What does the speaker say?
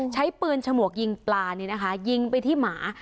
ใช้ปืนฉมวกยิงต์ลายิงไปที่หมา